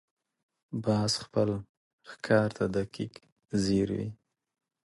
باز خپل ښکار ته دقیق ځیر وي